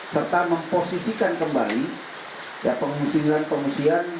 serta memposisikan kembali pengungsian pengungsian